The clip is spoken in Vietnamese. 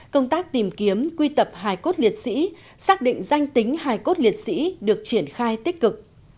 công tác tìm kiếm quy tập hài cốt liệt sĩ xác định danh tính hài cốt liệt sĩ được triển khai tích cực